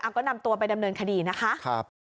ก็นำตัวไปดำเนินคดีนะคะ